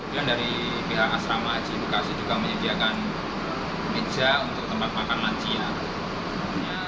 kemudian dari pihak asrama haji bekasi juga menyediakan meja untuk tempat makan lansia